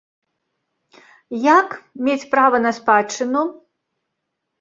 Як мець права на спадчыну?